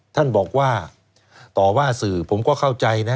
ท่านบอกว่าต่อว่าสื่อผมก็เข้าใจนะ